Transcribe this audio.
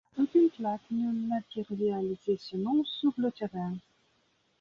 Aucune plaque ne matérialisait ce nom sur le terrain.